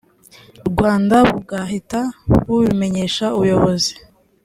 rwanda bugahita bubimenyesha ubuyobozi